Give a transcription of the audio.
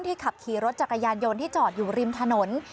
ขับขี่รถจักรยานยนต์ที่จอดอยู่ริมถนน